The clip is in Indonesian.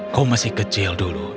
kau masih kecil dulu